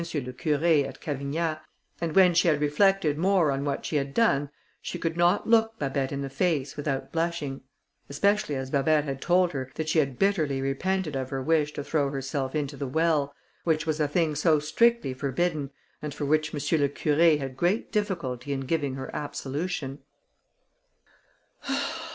le Curé, at Cavignat, and when she had reflected more on what she had done, she could not look Babet in the face without blushing; especially as Babet had told her that she had bitterly repented of her wish to throw herself into the well, which was a thing so strictly forbidden, and for which M. le Curé had great difficulty in giving her absolution.